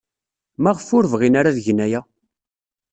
Maɣef ur bɣin ara ad gen aya?